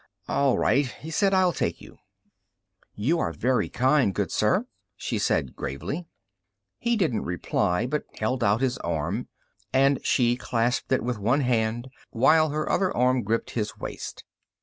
"All right," he said; "I'll take you." "You are very kind, good sir," she said gravely. He didn't reply, but held out his arm, and she clasped it with one hand while her other arm gripped his waist.